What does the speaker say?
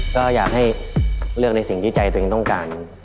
ก็อยากให้เลือกในสิ่งที่ใจตัวเองต้องการ